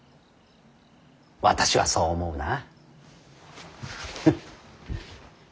私はそう思うな。